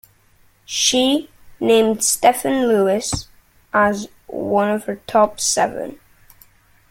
She named Stephen Lewis as one of her top seven.